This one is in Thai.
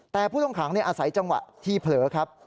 แต่ผู้ต้องขังอาศัยจังหวะที่เผลอครับ